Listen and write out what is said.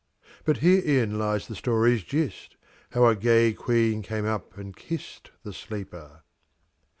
But herein lies the story's gist, How a gay queen came up and kist The sleeper.